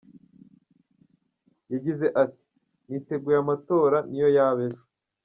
Yagize ati “Niteguye amatora niyo yaba ejo.